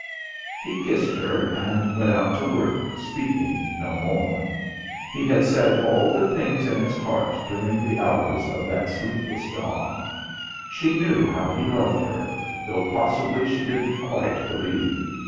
He kissed her, and went out to work, speaking no more. He had said all the things in his heart during the hours of that sleepless dawn. She knew how he loved her ... though possibly she didn't quite believe.